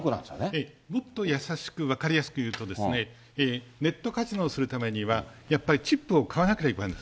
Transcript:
ええ、もっとやさしく分かりやすく言うと、ネットカジノをするためには、やっぱりチップを買わなくちゃいけない。